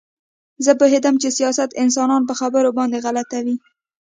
زه پوهېدم چې سیاست انسانان په خبرو باندې غلطوي